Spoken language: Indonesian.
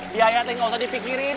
biaya tuh gak usah dipikirin